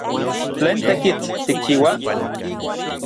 ¿Tlen tekitl tikchiua?